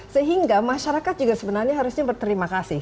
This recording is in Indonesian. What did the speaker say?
sehingga masyarakat juga sebenarnya harusnya berterima kasih